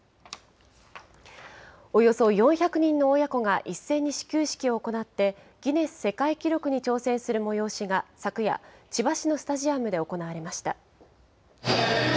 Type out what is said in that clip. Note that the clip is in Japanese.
およそ４００人の親子が一斉に始球式を行って、ギネス世界記録に挑戦する催しが昨夜、千葉市のスタジアムで行われました。